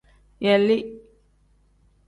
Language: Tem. Yelii.